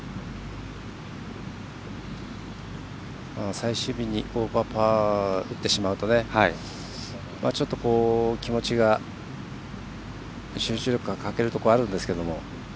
最終日にオーバーパー打ってしまうとちょっと、集中力が欠けるところがあるんですけど。